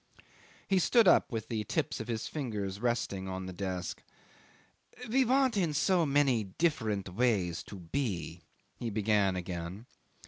'He stood up with the tips of his fingers resting on the desk. '"We want in so many different ways to be," he began again.